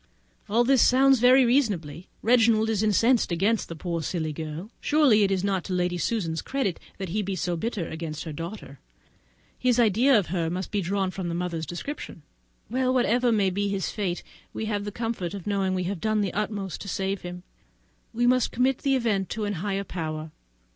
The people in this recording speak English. All this sounds very reasonable. Reginald is so incensed against the poor silly girl! Surely it is not to Lady Susan's credit that he should be so bitter against her daughter; his idea of her must be drawn from the mother's description. Well, whatever may be his fate, we have the comfort of knowing that we have done our utmost to save him. We must commit the event to a higher power.